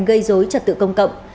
gây dối trật tự công cộng